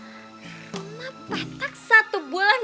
rumah petak satu bulan